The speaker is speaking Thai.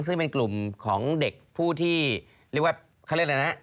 ซึ่งเป็นกลุ่มของเด็กผู้ที่เรียกว่าเขาเรียกอะไรนะ